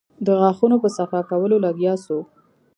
د غاښونو په صفا کولو لگيا سو.